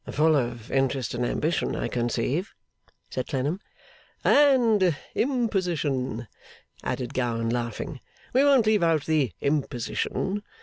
'Full of interest and ambition, I conceive,' said Clennam. 'And imposition,' added Gowan, laughing; 'we won't leave out the imposition.